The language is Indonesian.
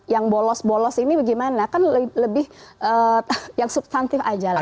yang bolos bolos ini bagaimana kan lebih yang substantif aja lah